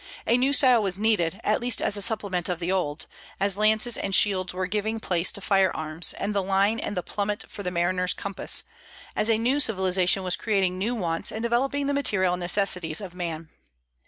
A new style was needed, at least as a supplement of the old, as lances and shields were giving place to fire arms, and the line and the plummet for the mariner's compass; as a new civilization was creating new wants and developing the material necessities of man.